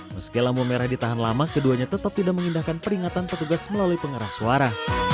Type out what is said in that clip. meski lampu merah ditahan lama keduanya tetap tidak mengindahkan peringatan petugas melalui pengeras suara